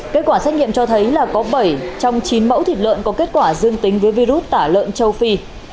kết quả xét nghiệm cho thấy là có bảy trong chín mẫu thịt lợn có kết quả dương tính với virus tả lợn châu phi